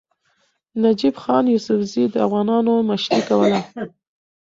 نجیب خان یوسفزي د افغانانو مشري کوله.